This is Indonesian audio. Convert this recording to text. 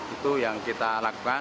itu yang kita lakukan